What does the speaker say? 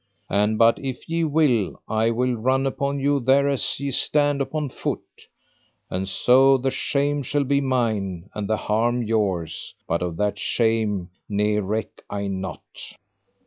And but if ye will I will run upon you thereas ye stand upon foot, and so the shame shall be mine and the harm yours, but of that shame ne reck I nought.